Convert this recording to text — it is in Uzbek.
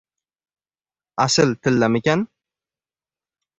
— Asl tillamikan?